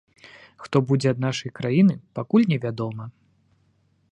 Хто будзе ад нашай краіны, пакуль не вядома.